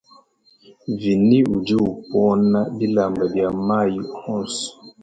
Vinie udi upona bilamba bia mayi onso.